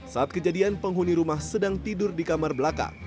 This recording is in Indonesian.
saat kejadian penghuni rumah sedang tidur di kamar belakang